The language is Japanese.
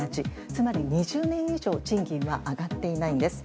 つまり２０年以上賃金が上がっていないんです。